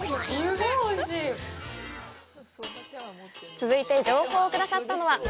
続いて情報をくださったのは。